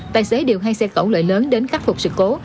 tài xế điều hai xe cẩu lợi lớn đến khắc phục sự cố